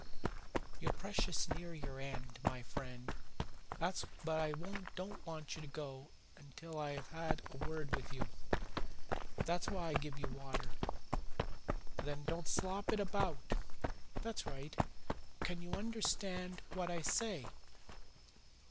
"You're precious near your end, my friend, but I don't want you to go till I have had a word with you. That's why I give you water. There, don't slop it about! That's right. Can you understand what I say?"